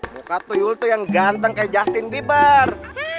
muka tuyul tuh yang ganteng kayak justin bieber